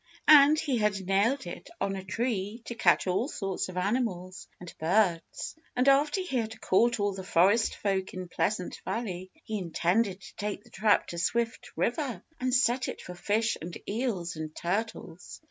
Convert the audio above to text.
And he had nailed it on a tree to catch all sorts of animals and birds. And after he had caught all the forest folk in Pleasant Valley he intended to take the trap to Swift River and set it for fish and eels and turtles.